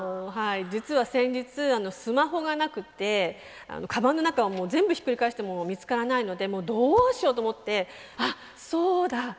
はい実は先日スマホがなくてカバンの中をもう全部ひっくり返しても見つからないのでもうどうしようと思ってあっそうだ